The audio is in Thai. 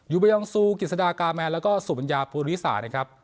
เบยองซูกิจสดากาแมนแล้วก็สุบัญญาภูริสานะครับ